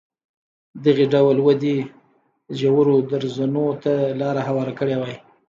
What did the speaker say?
دغې ډول ودې ژورو درزونو ته لار هواره کړې وای.